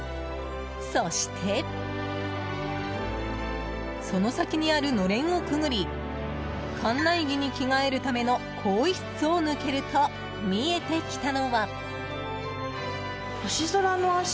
そして、その先にあるのれんをくぐり館内着に着替えるための更衣室を抜けると見えてきたのは。